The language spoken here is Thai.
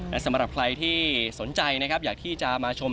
และสำหรับใครที่สนใจนะครับอยากที่จะมาชม